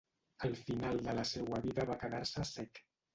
Al final de la seua vida va quedar-se cec.